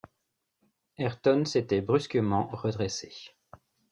Ayrton s’était brusquement redressé.